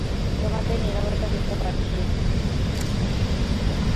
তোমাদের নীরবতা বুঝতে পারছি।